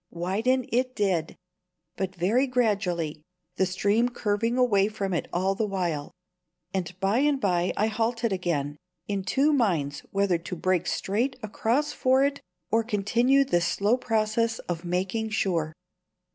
Widen it did, but very gradually the stream curving away from it all the while; and by and by I halted again, in two minds whether to break straight across for it or continue this slow process of making sure.